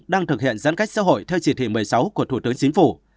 đang thực hiện giãn cách xã hội theo chỉ thị một mươi sáu của thủ tướng chính phủ